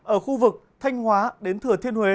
ở khu vực thanh hóa đến thừa thiên huế